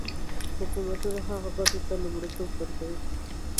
حکومتونه هغو ګټو ته لومړیتوب ورکوي.